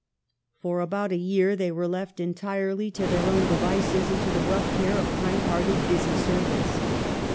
For about a year they were left entirely to BABYHOOD. 31 their own devices, and to the rough care of kind hearted, busy servants.